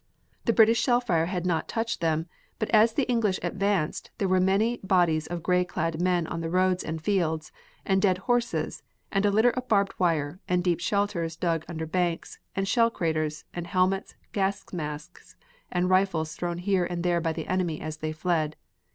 The British shell fire had not touched them, but as the English advanced there were many bodies of gray clad men on the roads and fields, and dead horses, and a litter of barbed wire, and deep shelters dug under banks, and shell craters, and helmets, gas masks, and rifles thrown here and there by the enemy as they fled.